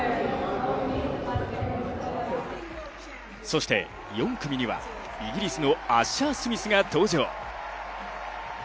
そして４組にはイギリスのアッシャー・スミスが登場。